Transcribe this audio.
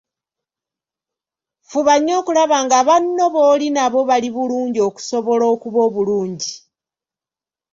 Fuba nnyo okulaba nga banno booli nabo bali bulungi okusobola okuba obulungi.